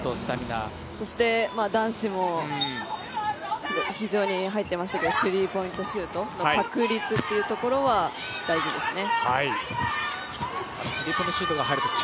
そして男子も非常に入っていましたがスリーポイントシュートの確率っていうところは大事ですね。